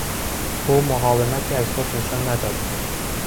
او مقاومتی از خود نشان نداد.